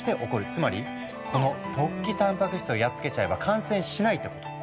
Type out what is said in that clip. つまりこの突起たんぱく質をやっつけちゃえば感染しないってこと。